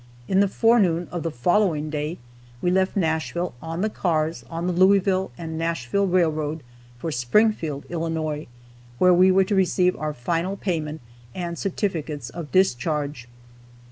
In the forenoon of the following day we left Nashville on the cars, on the Louisville and Nashville railroad, for Springfield, Illinois, where we were to receive our final payment and certificates of discharge.